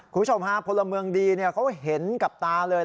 คุณผู้ชมฮะพลเมืองดีเขาเห็นกับตาเลย